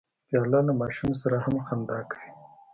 پیاله له ماشوم سره هم خندا کوي.